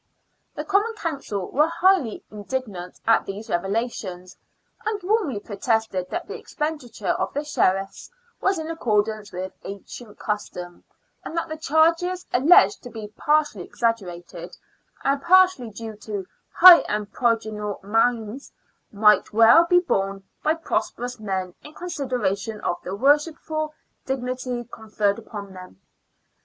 The Common Council were highly indignant at these revelations, and warmly protested that the expenditure of the Sheriffs was in accordance with ancient custom, and SURRENDER OF RIGHT TO LEVY TOLL. 13 that the charges, alleged to be partly exaggerated and partly due to " high and prodigal minds," might well be borne by prosperous men in consideration of the worship ful dignity conferred upon them.